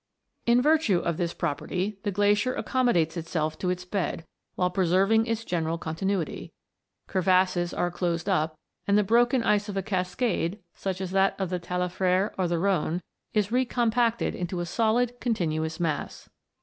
In virtue of this property the glacier accommodates itself to its bed, while preserving its general continuity; crevasses are closed up ; and the broken ice of a cascade, such as that of the Talefre or the Rhone, is re compacted into a solid continuous mass.